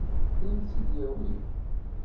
Ad m-tt-id-yawi?